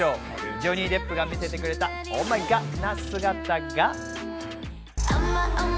ジョニー・デップが見せてくれた、ＯｈＭｙＧｏｄな姿が。